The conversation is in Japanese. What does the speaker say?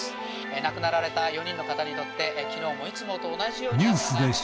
亡くなられた４人の方にとって昨日もいつもと同じように。